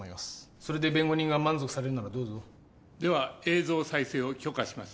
それで弁護人が満足されるならどうぞでは映像再生を許可します